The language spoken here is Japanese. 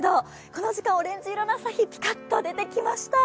この時間、オレンジ色の朝日、ピカッと出てきました。